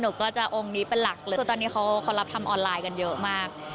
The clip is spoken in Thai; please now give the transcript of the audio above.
หนูก็จะรักอองนี้เป็นหลักตอนนี้เขารับทำออนไลน์กันเยอะมาก